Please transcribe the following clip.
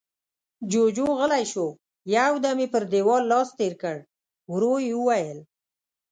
جُوجُو غلی شو، يو دم يې پر دېوال لاس تېر کړ، ورو يې وويل: